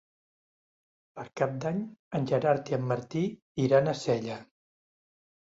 Per Cap d'Any en Gerard i en Martí iran a Sella.